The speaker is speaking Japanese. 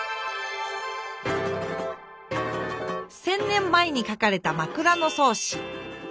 １，０００年前に書かれた「枕草子」。